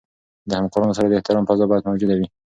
د همکارانو سره د احترام فضا باید موجوده وي.